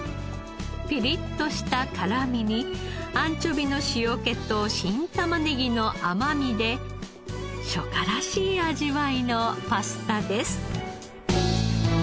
ピリッとした辛みにアンチョビの塩気と新玉ねぎの甘みで初夏らしい味わいのパスタです。